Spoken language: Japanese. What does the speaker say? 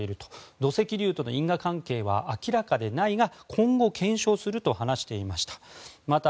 土石流との因果関係は明らかではないが今後検証すると話していました。